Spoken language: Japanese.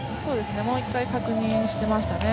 もう一回確認してましたね。